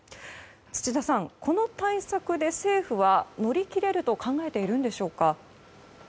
土田さん、この対策で政府は乗り切れると考えているのでしょうか。